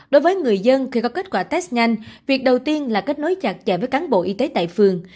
đối với người dân khi có kết quả test nhanh việc đầu tiên là kết nối chặt chẽ với cán bộ y tế tại phường